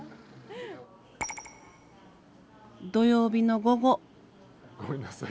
土曜日の午後。